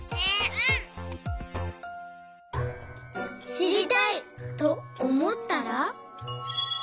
「しりたい！」とおもったら。